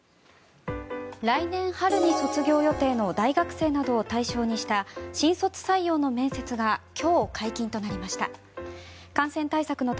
来年春に卒業予定の大学生などを対象にした新卒採用の面接が今日、解禁となりました。